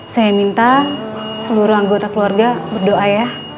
saya minta seluruh anggota keluarga berdoa ya